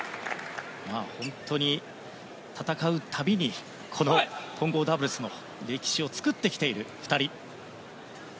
本当に戦う度にこの混合ダブルスの歴史を作ってきている２人。